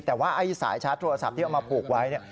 แต่ว่าไอ้สายชาร์จโทรศัพท์ที่เอามาผูกไว้เนี่ย